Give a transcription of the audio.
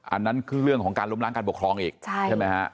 อันนั้นคือเรื่องของการล้มล้างการปกครองอีกใช่ไหมฮะ